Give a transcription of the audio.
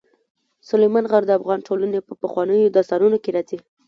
سلیمان غر د افغان کلتور په پخوانیو داستانونو کې راځي.